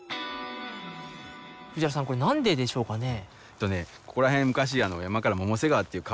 藤原さんこれは何ででしょうかね？